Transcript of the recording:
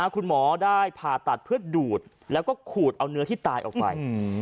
คุณหมอได้ผ่าตัดเพื่อดูดแล้วก็ขูดเอาเนื้อที่ตายออกไป